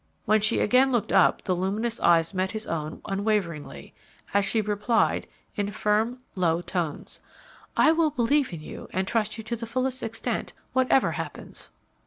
When she again looked up the luminous eyes met his own unwaveringly, as she replied, in firm, low tones, "I will believe in you and trust you to the fullest extent, whatever happens."